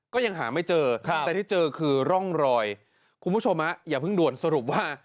ก็ยังหาไม่เจอแต่ที่เจอคือร่องรอยคุณผู้ชมอย่าเพิ่งด่วนสรุปว่า